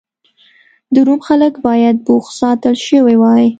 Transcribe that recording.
د روم خلک باید بوخت ساتل شوي وای.